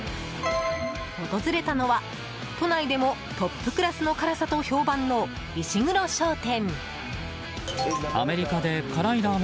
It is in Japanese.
訪れたのは、都内でもトップクラスの辛さと評判の石黒商店。